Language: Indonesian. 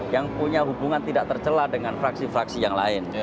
yang punya hubungan tidak tercelah dengan fraksi fraksi yang lain